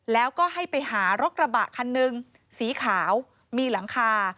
แล้วก็ให้ไปหารถกระบะคันหนึ่งสีขาวมีหลังคา